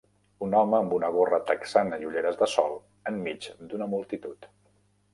Un home amb una gorra texana i ulleres de sol en mig d'una multitud.